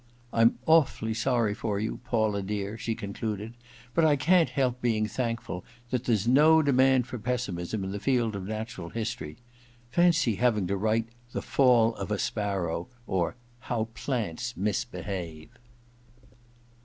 * I'm awfully sorry for you, Paula dear,' she concluded, *but I can't help bein^ thankful that there's no demand for pessimism in the field of natural history. Fancy having to write " The Fall of a Sparrow," or " How the Plants Misbehave